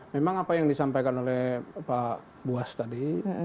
memang apa yang disampaikan oleh pak buas tadi